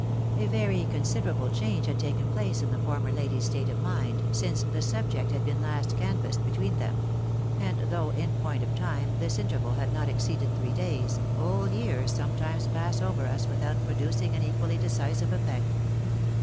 A very considerable change had taken place in the former lady's state of mind, since the subject had been last canvassed between them ; and though, in point of time, this interval had not exceeded three days, whole years sometimes pass over us without producing an equally decisive effect.